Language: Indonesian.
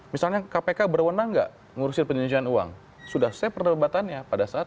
misalnya kpk berwenang nggak ngurusin penyelidikan uang sudah selesai perdebatannya pada saat